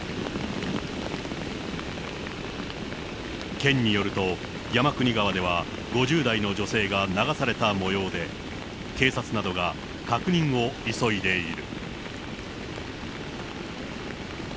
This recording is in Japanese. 県によると、山国川では５０代の女性が流されたもようで、警察などが確認を急いでいる。